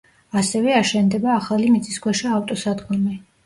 ასევე, აშენდება ახალი მიწისქვეშა ავტოსადგომი.